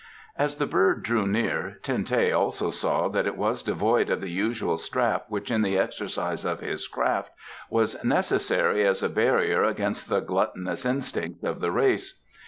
As the bird drew near Ten teh also saw that it was devoid of the usual strap which in the exercise of his craft was necessary as a barrier against the gluttonous instincts of the race.